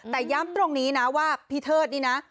แต่ย้ำตรงนี้นะว่าพี่เทิดนี่นะ